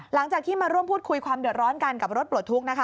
หลังจากที่มาร่วมพูดคุยความเดือดร้อนกันกับรถปลดทุกข์นะคะ